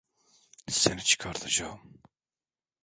Seni çıkartacağım.